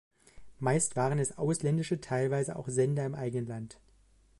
Meist waren es ausländische, teilweise auch Sender im eigenen Land.